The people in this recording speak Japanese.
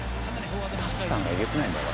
タツさんがえげつないんだよ